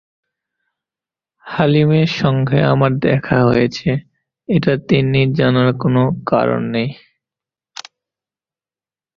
হালিমের সঙ্গে আমার দেখা হয়েছে, এটা তিন্নির জানার কোনো কারণ নেই।